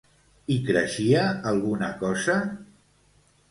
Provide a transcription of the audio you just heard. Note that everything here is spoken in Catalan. Hi creixia alguna cosa?